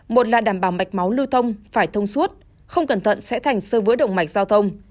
một là đảm bảo mạch máu lưu thông phải thông suốt không cẩn thận sẽ thành sơ vữa động mạch giao thông